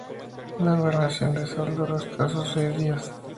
La gobernación de Sal duró escasos seis días.